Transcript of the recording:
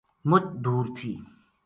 مُچ دور تھی